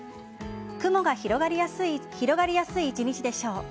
雲が広がりやすい一日でしょう。